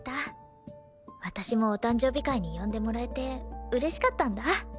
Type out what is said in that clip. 私もお誕生日会に呼んでもらえて嬉しかったんだ。